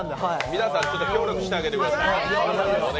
皆さんちょっと協力してあげてください。